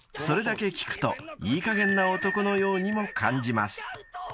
［それだけ聞くといいかげんな男のようにも感じます］